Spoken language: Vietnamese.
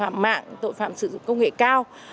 phạm mạng tội phạm sử dụng công nghệ cao